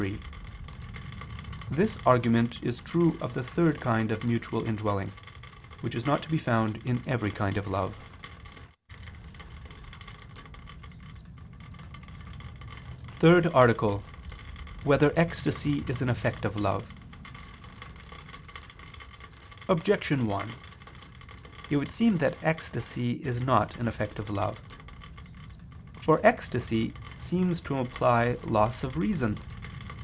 3: This argument is true of the third kind of mutual indwelling, which is not to be found in every kind of love. ________________________ THIRD ARTICLE [I II, Q. 28, Art. 3] Whether Ecstasy Is an Effect of Love? Objection 1: It would seem that ecstasy is not an effect of love. For ecstasy seems to imply loss of reason.